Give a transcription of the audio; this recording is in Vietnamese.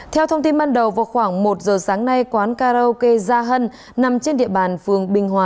theo thông tin ban đầu vào khoảng một giờ sáng nay quán karaoke gia hân nằm trên địa bàn phường bình hòa